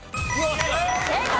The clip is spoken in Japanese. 正解。